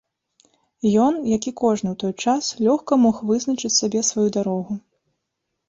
Ён, як і кожны ў той час, лёгка мог вызначыць сабе сваю дарогу.